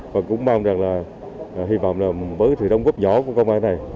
và cũng mong rằng là hy vọng là với sự đóng góp nhỏ của công an này